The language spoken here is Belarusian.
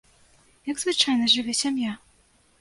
Як звычайна жыве сям'я?